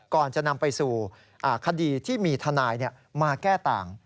ก่อนจะนำไปสู่คดีที่มีทนายมาแก้ต่าง